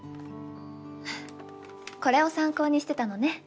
これを参考にしてたのね。